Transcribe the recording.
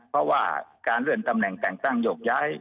เพราะว่าการเลื่อนตำแหน่งแต่งตั้งโยกย้าย